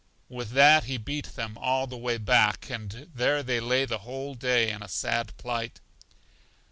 With that he beat them all the way back, and there they lay the whole day in a sad plight.